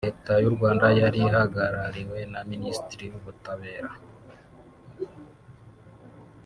Leta y’u Rwanda yari ihagarariwe na Minisitiri w’Ubutabera